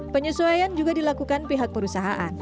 penyesuaian juga dilakukan pihak perusahaan